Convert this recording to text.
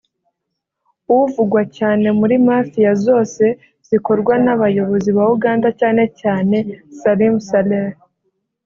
uvugwa cyane muri Mafia zose zikorwa n’abayobozi ba Uganda cyane cyane Salim Saleh